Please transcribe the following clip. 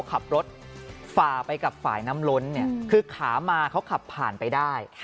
ขับรถฝ่าไปกับฝ่ายน้ำล้นเนี่ยคือขามาเขาขับผ่านไปได้